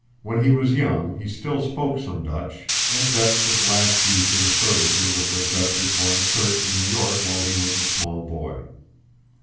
When he was young he still spoke some Dutch, and Dutch was last used in the services of the Dutch Reformed Church in New York while he was a small boy.